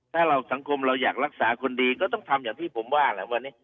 ถ้าเราสังคมเราอยากรักษาคนดีก็ต้องทำอย่างที่ผมว่าแหละวันนี้